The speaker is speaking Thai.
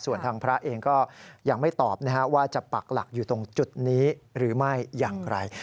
ส่วนทางพระเองก็ยังไม่ตอบว่าจะปักหลักอยู่ตรงจุดนี้หรือไม่อย่างไร